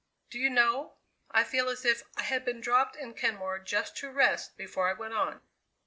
Do you know, I feel as if I had been dropped in Kenmore just to rest before I went on!"